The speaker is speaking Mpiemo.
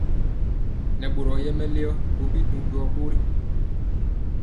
Nɛ boro yɛ melio tɔbi dujɔ bori.